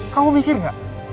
kamu mikir gak